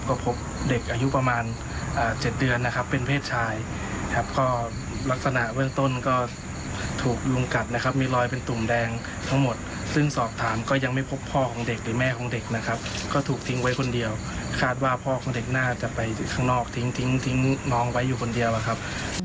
ก็พบเด็กอายุประมาณ๗เดือนนะครับเป็นเพศชายครับก็ลักษณะเบื้องต้นก็ถูกลุงกัดนะครับมีรอยเป็นตุ่มแดงทั้งหมดซึ่งสอบถามก็ยังไม่พบพ่อของเด็กหรือแม่ของเด็กนะครับก็ถูกทิ้งไว้คนเดียวคาดว่าพ่อของเด็กน่าจะไปข้างนอกทิ้งทิ้งน้องไว้อยู่คนเดียวนะครับ